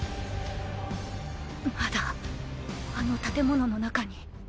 まだあの建物の中に。